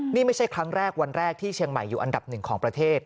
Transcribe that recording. นี่ไม่ใช่ครั้งแรกวันแรกที่เชียงใหม่อยู่อันดับหนึ่งของประเทศ